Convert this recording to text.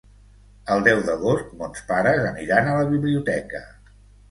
El deu d'agost mons pares aniran a la biblioteca.